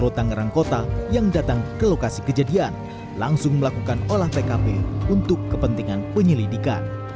kota tangerang kota yang datang ke lokasi kejadian langsung melakukan olah tkp untuk kepentingan penyelidikan